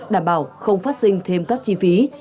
đảm bảo không phát sinh thêm các chi phí